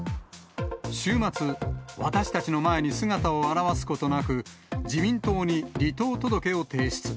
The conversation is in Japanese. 週末、私たちの前に姿を現すことなく、自民党に離党届を提出。